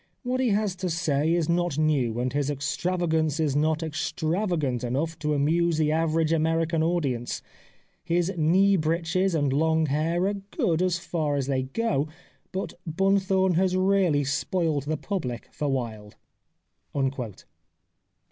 What he has to say is not new, and his extravagance is not extra vagant enough to amuse the average American audience. His knee breeches and long hair are good as far as they go ; but Bunthorne has really spoiled the public for Wilde."